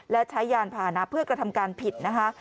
และใช้ยานพานะเพื่อกระทำการผิดนะคะ